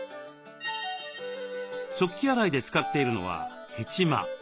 食器洗いで使っているのはヘチマ。